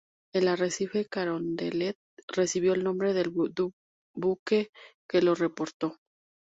El arrecife Carondelet recibió el nombre del buque que lo reportó.